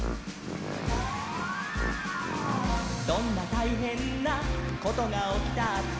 「どんなたいへんなことがおきたって」